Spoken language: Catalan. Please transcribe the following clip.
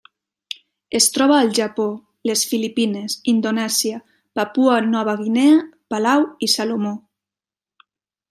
Es troba al Japó, les Filipines, Indonèsia, Papua Nova Guinea, Palau i Salomó.